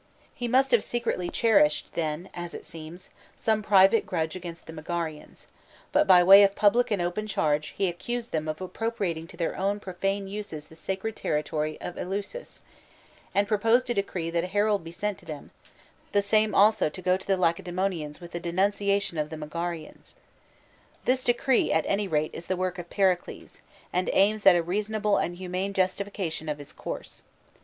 He must have secretly cherished, then, as it seems, some private grudge against the Megarians ; but by way of public and open charge he accused them of appropriating to their own profane uses the sacred territory of Eleusis, and proposed a decree that a herald be sent to them, the same to go also to the Lacedaemonians with a denunciation of the Megarians. This decree, at any rate, is the work of Pericles, and aims at a reasonable and humane justification of his course.